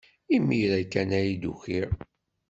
Imir-a kan ay d-ukiɣ.